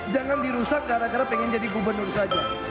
jangan dirusak karena kara pengen jadi gubernur saja